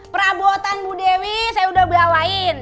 perabotan bu dewi saya udah bawain